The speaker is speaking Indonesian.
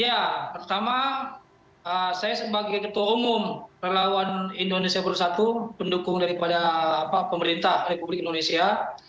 ya pertama saya sebagai ketua umum relawan indonesia bersatu pendukung daripada pemerintah republik indonesia